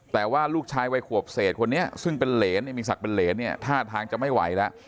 แต่ว่าลูกชายวัยขวบเศษคนนี้ซึ่งเป็นเหรนเนี่ยมีศักดิ์เป็นเหรนเนี่ยท่าทางจะไม่ไหวแล้ว